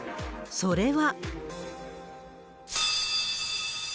それは。